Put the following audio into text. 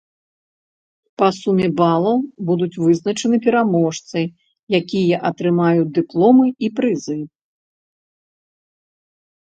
Па суме балаў будуць вызначаны пераможцы, якія атрымаюць дыпломы і прызы.